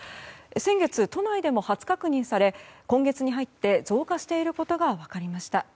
先月都内でも初確認され今月に入って増加していることが分かりました。